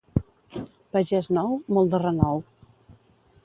Pagès nou, molt de renou.